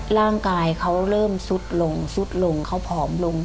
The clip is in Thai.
ร่างกายเขาเริ่มซุดลงซุดลงเขาผอมลง